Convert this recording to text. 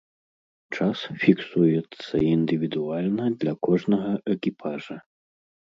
Час фіксуецца індывідуальна для кожнага экіпажа.